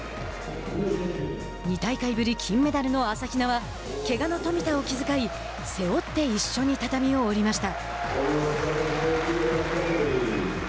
２大会ぶり金メダルの朝比奈はけがの冨田を気遣い背負って一緒に畳を降りました。